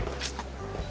pada belum makan ya